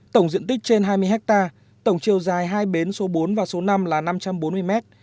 tổng diện tích trên hai mươi hectare tổng chiều dài hai bến số bốn và số năm là năm trăm bốn mươi mét